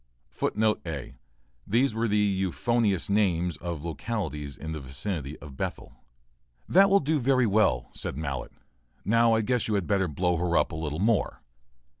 [A] These were the euphonious names of localities in the vicinity of Bethel. ["That will do very well," said Mallett. "Now I guess you had better blow her up a little more."